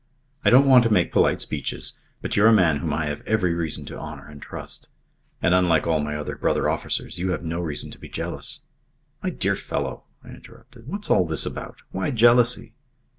I don't want to make polite speeches but you're a man whom I have every reason to honour and trust. And unlike all my other brother officers, you have no reason to be jealous " "My dear fellow," I interrupted, "what's all this about? Why jealousy?"